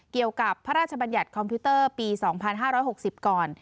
เกี่ยวกับพระราชบัญญัติคอมพิวเตอร์ปี๒๕๖๐ก่อน